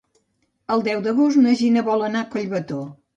El deu d'agost na Gina vol anar a Collbató.